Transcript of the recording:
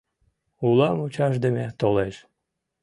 Ула мучашдыме толеш.